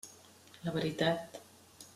La veritat.